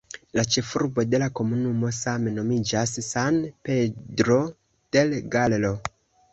La ĉefurbo de la komunumo same nomiĝas "San Pedro del Gallo".